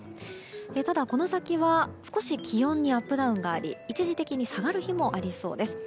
ただ、この先は少し気温にアップダウンがあり一時的に下がる日もありそうです。